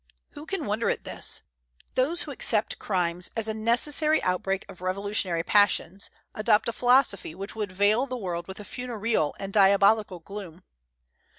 Who can wonder at this? Those who accept crimes as a necessary outbreak of revolutionary passions adopt a philosophy which would veil the world with a funereal and diabolical gloom.